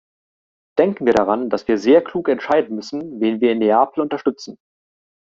Denken wir daran, dass wir sehr klug entscheiden müssen, wen wir in Nepal unterstützen.